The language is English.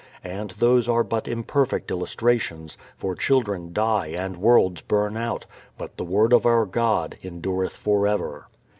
And those are but imperfect illustrations, for children die and worlds burn out, but the Word of our God endureth forever.